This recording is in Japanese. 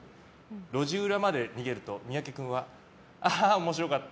路地裏まで逃げると、三宅君はああ、面白かった。